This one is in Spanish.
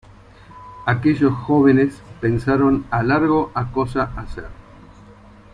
Aquellos "jóvenes" pensaron a largo a cosa hacer.